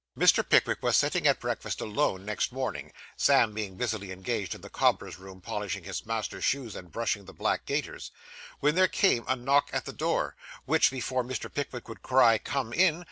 Mr. Pickwick was sitting at breakfast, alone, next morning (Sam being busily engaged in the cobbler's room, polishing his master's shoes and brushing the black gaiters) when there came a knock at the door, which, before Mr. Pickwick could cry 'Come in!